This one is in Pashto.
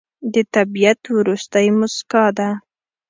د طبیعت وروستی موسکا ده